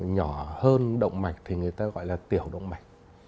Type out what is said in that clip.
nhỏ hơn động mạch thì người ta gọi là tiểu động mạch